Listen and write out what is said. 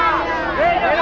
hidup di jaya lama